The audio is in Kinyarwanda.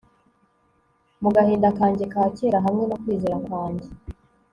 mu gahinda kanjye ka kera, hamwe no kwizera kwanjye